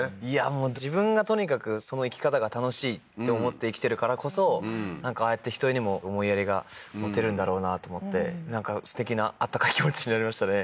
もう自分がとにかくその生き方が楽しいって思って生きてるからこそなんかああやって人にも思いやりが持てるんだろうなと思ってなんかすてきなあったかい気持ちになりましたね